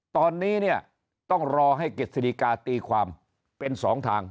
ตอนนี้เนี่ยต้องรอให้กฤษฎิกาตีความเป็นสองทาง